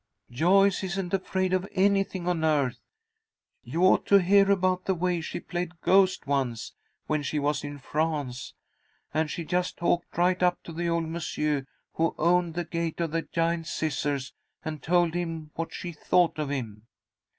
"Joyce isn't afraid of anything on earth. You ought to hear about the way she played ghost once, when she was in France. And she just talked right up to the old monsieur who owned the Gate of the Giant Scissors, and told him what she thought of him."